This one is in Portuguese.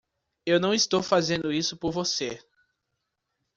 Eu não estou fazendo isso por você!